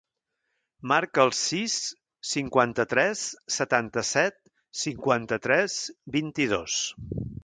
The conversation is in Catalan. Marca el sis, cinquanta-tres, setanta-set, cinquanta-tres, vint-i-dos.